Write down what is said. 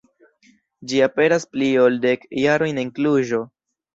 Ĝi aperas pli ol dek jarojn en Kluĵo.